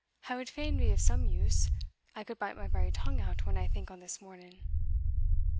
I wad fain be of some use I could bite my very tongue out when I think on this morning."